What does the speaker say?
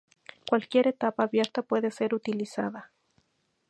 Cualquier etapa abierta puede ser utilizada.